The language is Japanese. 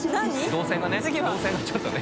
動線がね